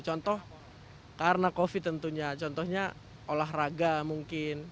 contoh karena covid tentunya contohnya olahraga mungkin